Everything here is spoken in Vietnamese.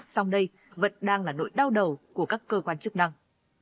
song đây vẫn đang là nỗi đau đầu của các cơ quan chức năng